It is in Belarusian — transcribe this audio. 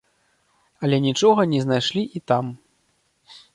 Але нічога не знайшлі і там.